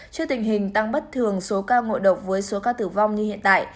trước tình hình tăng bất thường số ca ngộ độc với số ca tử vong như hiện tại